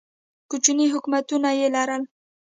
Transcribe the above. کوچني حکومتونه یې لرل